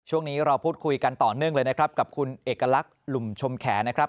ช่วงนี้เราพูดคุยกันต่อเนื่องเลยนะครับกับคุณเอกลักษณ์หลุมชมแขนนะครับ